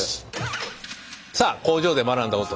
さあ工場で学んだことをね